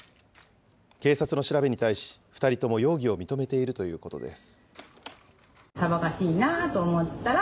警察の調べに対し、２人とも容疑を認めているということです。